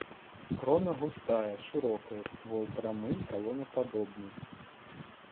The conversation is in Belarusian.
Крона густая, шырокая, ствол прамы, калонападобны.